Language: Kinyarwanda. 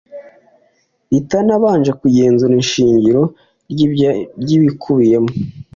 itanabanje kugenzura ishingiro ry’ibiyikubiyemo